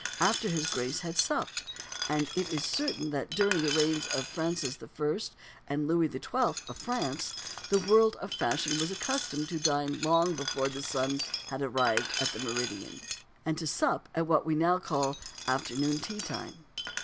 "after his Grace had supped"; and it is certain that during the reigns of Francis I. and Louis XII. of France, the world of fashion was accustomed to dine long before the sun had arrived at the meridian, and to sup at what we now call "afternoon tea time."